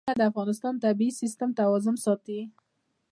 غرونه د افغانستان د طبعي سیسټم توازن ساتي.